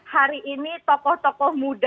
hari ini tokoh tokoh muda